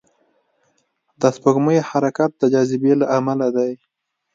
د سپوږمۍ حرکت د جاذبې له امله دی.